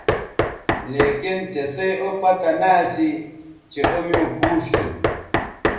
لیکن تسئ او پتہ نہ اسی چہء او میوں پوچ تھو